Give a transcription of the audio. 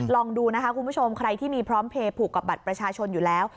ลองดูนะคะคุณผู้ชมใครที่มีพร้อมเพลย์ผูกกับบัตรประชาชนอยู่แล้ว